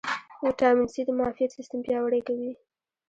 ویټامین سي د معافیت سیستم پیاوړی کوي